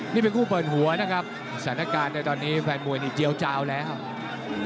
นี่เป็นคู่เปิดหัวนะครับสถานการณ์ในตอนนี้แฟนมวยนี่เจียวเจ้าแล้ว